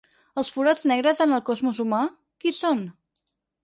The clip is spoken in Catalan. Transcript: Els forats negres en el cosmos humà, qui són?